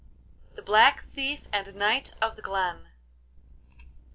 THE BLACK THIEF AND KNIGHT OF THE GLEN.